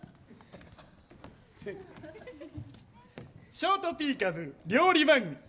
ショートピーカブー、料理番組。